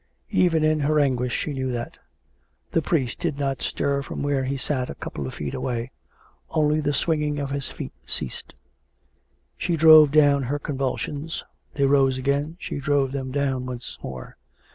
Even in her anguish she knew that. The priest did not stir from where he sat a couple of feet away; only the swinging of his feet ceased. She drove down her convulsions ; they rose again ; she drove them down once more.